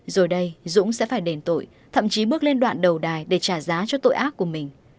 rồi đây dũng sẽ phải đền tội thậm chí bước lên đoạn đầu đài để trả giá cho tội ác của mình